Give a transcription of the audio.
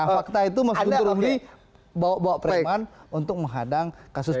fakta itu mas guntur rondi bawa preman untuk menghadang kasus dua ribu sembilan belas